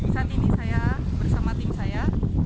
saat ini saya bersama tim saya